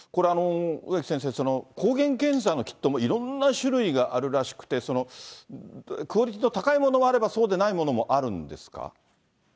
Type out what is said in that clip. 植木先生、抗原検査のキットもいろんな種類があるらしくて、クオリティーの高いものもあれば、そうでないものもあるんですか。